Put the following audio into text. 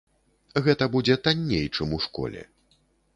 Гэта будзе танней, чым у школе.